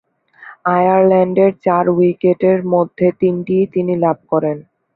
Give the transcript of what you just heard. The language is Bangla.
আয়ারল্যান্ডের চার উইকেটের মধ্যে তিনটিই তিনি লাভ করেন।